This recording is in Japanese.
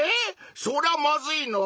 そりゃまずいのぉ。